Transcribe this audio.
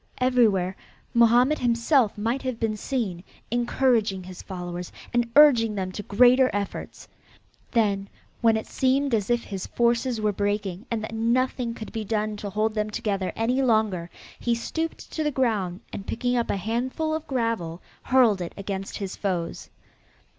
Everywhere Mohammed himself might have been seen, encouraging his followers and urging them to greater efforts. Then, when it seemed as if his forces were breaking and that nothing could be done to hold them together any longer, he stooped to the ground and picking up a handful of gravel, hurled it against his foes.